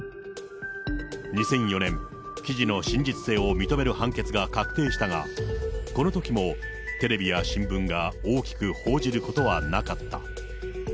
２００４年、記事の真実性を認める判決が確定したが、このときもテレビや新聞が大きく報じることはなかった。